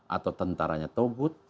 atau tentaranya tawud